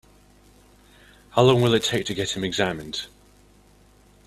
How long will it take to get him examined?